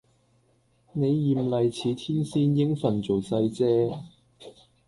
你艷麗似天仙應份做世姐